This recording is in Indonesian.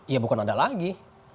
ya bukan ada lagi